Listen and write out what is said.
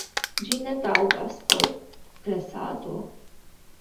Ĝi ne taŭgas por presado.